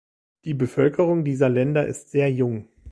Die Bevölkerung dieser Länder ist sehr jung.